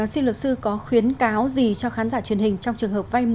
xin luật sư có khuyến cáo gì cho khán giả truyền hình trong trường hợp vay